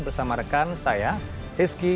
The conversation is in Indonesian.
bersama rekan saya rizky